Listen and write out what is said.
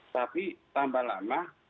tapi tambah lama